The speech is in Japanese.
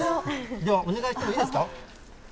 では、お願いしてもいいですか。